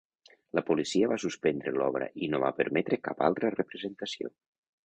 La policia va suspendre l'obra i no va permetre cap altra representació.